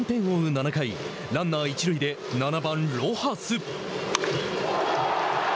７回ランナー一塁で７番ロハス。